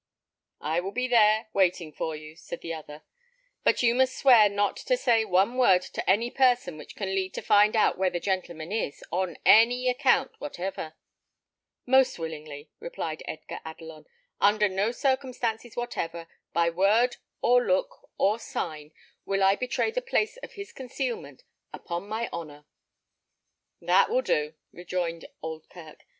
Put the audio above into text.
"I will be there waiting for you," said the other; "but you must swear not to say one word to any person which can lead people to find out where the gentleman is, on any account whatever." "Most willingly," replied Edgar Adelon; "under no circumstances whatever, by word, or look, or sign, will I betray the place of his concealment, upon my honour." "That will do," rejoined Oldkirk.